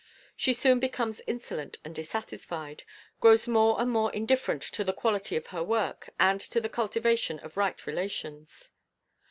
She soon becomes insolent and dissatisfied, grows more and more indifferent to the quality of her work and to the cultivation of right relations.